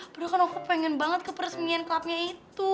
padahal kan aku pengen banget ke peresmian klubnya itu